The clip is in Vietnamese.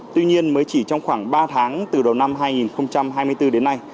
tuy nhiên mới chỉ trong khoảng ba tháng từ đầu năm hai nghìn hai mươi bốn đến nay